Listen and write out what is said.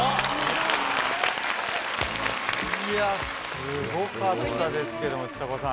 すごかったですけどもちさ子さん